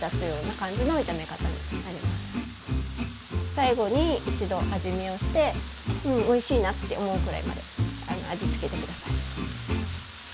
最後に一度味見をして「うんおいしいな」って思うくらいまで味つけて下さい。